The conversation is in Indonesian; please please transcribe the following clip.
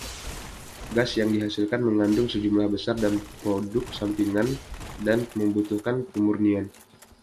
Gas yang dihasilkan mengandung sejumlah besar produk sampingan dan membutuhkan pemurnian.